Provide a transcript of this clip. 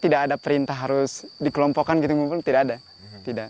tidak ada perintah yang harus dikelompokkan tidak ada